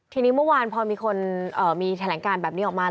ทีนี้เมื่อวานพอมีคนมีแถลงการแบบนี้ออกมา